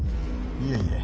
いえいえ。